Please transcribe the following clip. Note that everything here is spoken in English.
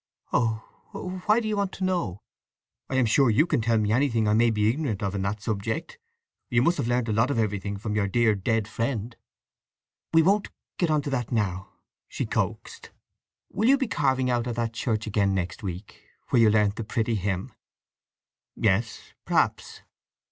"Oh—why do you want to know?" "I am sure you can tell me anything I may be ignorant of in that subject. You must have learnt a lot of everything from your dear dead friend!" "We won't get on to that now!" she coaxed. "Will you be carving out at that church again next week, where you learnt the pretty hymn?" "Yes, perhaps."